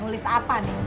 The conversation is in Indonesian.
nulis apa nih